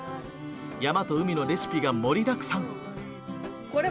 山と海のレシピが盛りだくさん。